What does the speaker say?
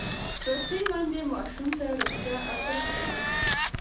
لوستې میندې ماشوم ته د روغتیا ارزښت ښيي.